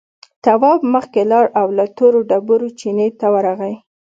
تواب مخکې لاړ او له تورو ډبرو چينې ته ورغی.